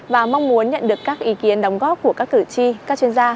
và mong muốn nhận được các ý kiến đóng góp của các cử tri các chuyên gia